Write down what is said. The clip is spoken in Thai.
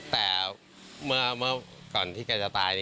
แต่เมื่อก่อนที่แกจะตาย